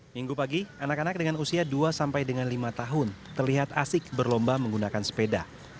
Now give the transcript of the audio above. minggu pagi anak anak dengan usia dua sampai dengan lima tahun terlihat asik berlomba menggunakan sepeda